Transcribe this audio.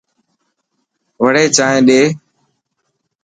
وڙي چائن ڏي.